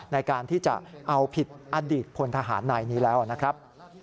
ในการที่จะเอาผิดอดีตพลทหารนายนี้แล้วนะครับ